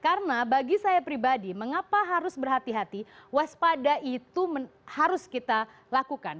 karena bagi saya pribadi mengapa harus berhati hati waspada itu harus kita lakukan